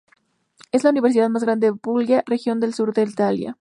Es la universidad más grande de Puglia, región del sur de Italia.